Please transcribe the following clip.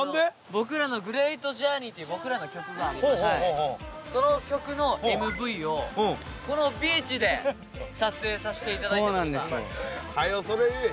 「僕らのＧｒｅａｔＪｏｕｒｎｅｙ」という僕らの曲がありましてその曲のＭＶをこのビーチで撮影させていただいてました。はよそれ言え。